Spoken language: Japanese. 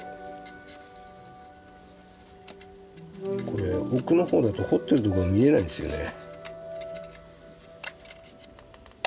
これ奥の方だと彫ってるところ見えないんですよね。